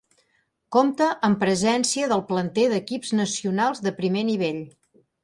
Compta amb presència del planter d'equips nacionals de primer nivell.